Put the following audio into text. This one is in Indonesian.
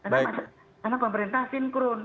karena pemerintah sinkron